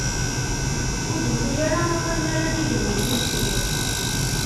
Ur d-tufi ara awalen ara d-igelmen anect-nni.